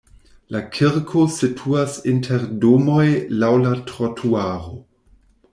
La kirko situas inter domoj laŭ la trotuaro.